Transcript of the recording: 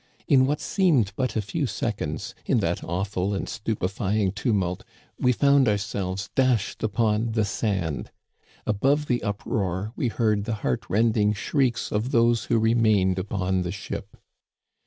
In what seemed but a few seconds, in that awful and stupefying tumult, we found ourselves dashed upon the sand. Above the uproar we heard the heart rending shrieks of those who remained upon the ship.